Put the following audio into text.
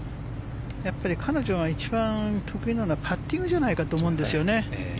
彼女が一番得意なのはパッティングじゃないかと思うんですよね。